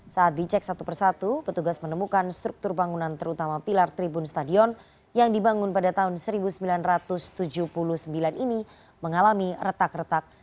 saat dicek satu persatu petugas menemukan struktur bangunan terutama pilar tribun stadion yang dibangun pada tahun seribu sembilan ratus tujuh puluh sembilan ini mengalami retak retak